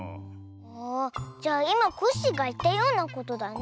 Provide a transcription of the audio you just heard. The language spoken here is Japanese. ああじゃいまコッシーがいったようなことだね。